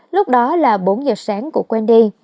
lúc đó là bốn h sáng của wendy